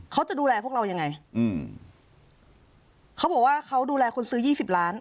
เขาจะดูแลพวกเรายังไงอืมเขาบอกว่าเขาดูแลคนซื้อยี่สิบล้าน